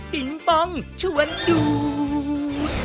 ปิงปองชวนดูด